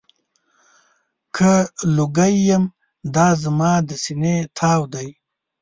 که لوګی یم، دا زما د سینې تاو دی.